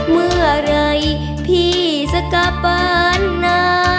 เมื่อไรพี่สกปะนะ